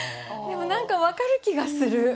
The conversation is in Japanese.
でも何か分かる気がする。